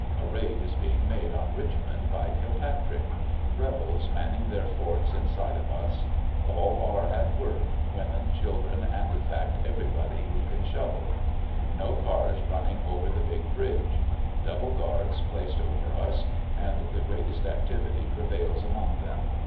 A raid is being made on Richmond by Kilpatrick, Eebels manning their forts in sight of us. All are at work, women, children, in fact everybody who can shovel. No cars running over the big bridge. Double guards placed over us and the greatest activity prevails among them.